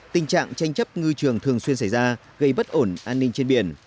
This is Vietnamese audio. tình trạng tranh chấp ngư trường thường xuyên xảy ra gây bất ổn an ninh trên biển